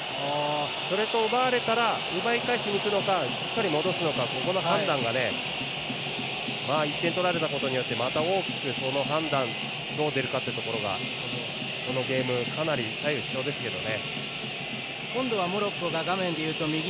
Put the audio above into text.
それと奪われたら奪い返しにいくのかしっかり戻しにいくのかここの判断が１点取られたことによって大きくその判断どう出るかというところがこのゲームかなり左右しそうですけどね。